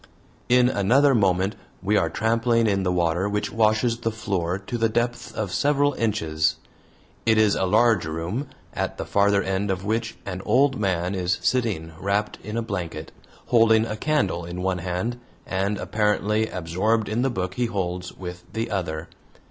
In another moment we are trampling in the water which washes the floor to the depth of several inches. It is a large room, at the farther end of which an old man is sitting wrapped in a blanket, holding a candle in one hand, and apparently absorbed in the book he holds with the other.